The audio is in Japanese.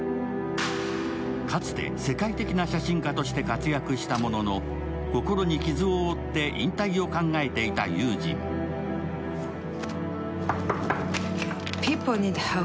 かつて世界的な写真家として活躍したものの、心に傷を負って引退を考えていたユージン。